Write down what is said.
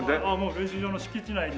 練習場の敷地内に。